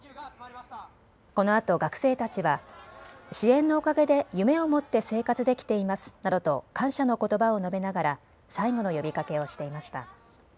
このあと学生たちは支援のおかげで夢を持って生活できていますなどと感謝のことばを述べながら最後の呼びかけをしていました。